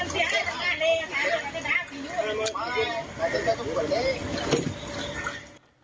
แล้วต้องกดเลข